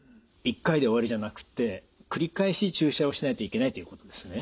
１回で終わりじゃなくて繰り返し注射をしないといけないということですね。